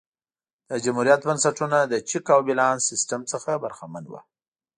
د جمهوریت بنسټونه د چک او بیلانس سیستم څخه برخمن وو